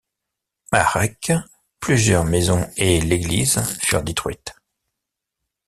À Recques, plusieurs maisons et l'église furent détruites.